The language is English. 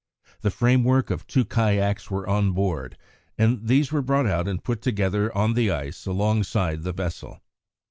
The framework of two kayaks were on board, and these were brought out and put together on the ice alongside the vessel.